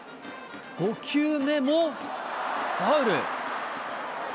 ５球目もファウル。